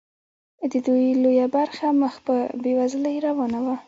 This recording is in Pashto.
د دوی لویه برخه مخ په بیوزلۍ روانه وه.